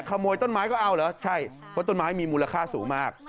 ขโมยต้นไม้ก็เอาเหรอใช่เพราะต้นไม้มีมูลค่าสูงมาก